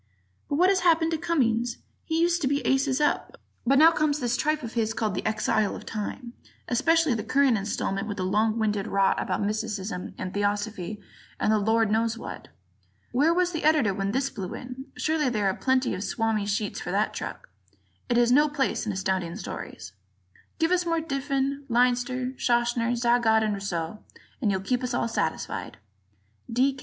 But what has happened to Cummings? He used to be aces up, but now comes this tripe of his called "The Exile of Time"; especially the current installment with its long winded rot about mysticism and theosophy and the Lord knows what. Where was the Editor when this blew in? Surely there are plenty of Swami sheets for that truck; it has no place in Astounding Stories. Give us more of Diffin, Leinster, Schachner, Zagat and Rousseau, and you'll keep us all satisfied. D.